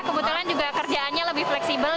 kebetulan juga kerjaannya lebih fleksibel